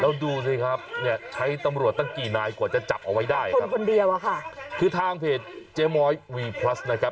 แล้วดูสิครับเนี่ยใช้ตำรวจตั้งกี่นายกว่าจะจับเอาไว้ได้ครับจับคนเดียวอะค่ะคือทางเพจเจ๊ม้อยวีพลัสนะครับ